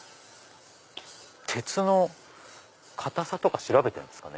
鉄の硬さとか調べてるんですかね。